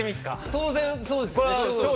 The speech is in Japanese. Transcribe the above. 当然そうですよね庄司。